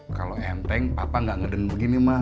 kalo enteng papa gak ngeden begini mah